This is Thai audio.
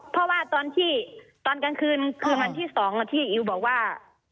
เพราะว่าตอนที่ตอนกลางคืนคืนวันที่๒ที่อิวบอกว่า